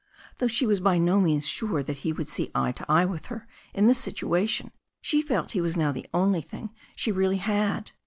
Though she was by no means sure that he would see eye to eye with her in this situation, she felt he was now the only thing she really had.